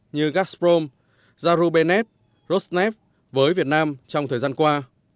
như gazprom zarubenev rosnev với việt nam trong thời gian qua